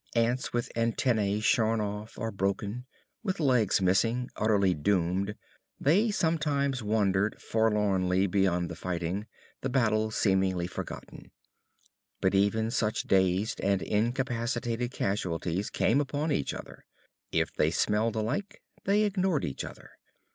Ants with antenna shorn off or broken, with legs missing, utterly doomed, they sometimes wandered forlornly beyond the fighting, the battle seemingly forgotten. But even such dazed and incapacitated casualties came upon each other. If they smelled alike, they ignored each other.